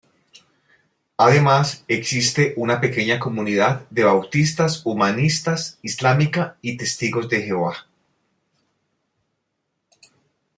Además, existe una pequeña comunidad de bautistas, humanistas, islámica y Testigos de Jehová.